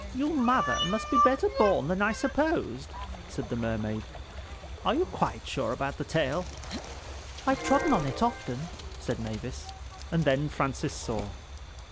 "Your mother must be better born than I supposed," said the Mermaid. "Are you quite sure about the tail?" "I've trodden on it often," said Mavis—and then Francis saw.